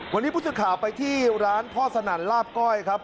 วันนี้ผู้สื่อข่าวไปที่ร้านพ่อสนั่นลาบก้อยครับ